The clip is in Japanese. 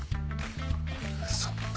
そっか。